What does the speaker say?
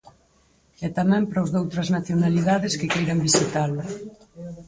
E tamén para os doutras nacionalidades que queiran visitalo.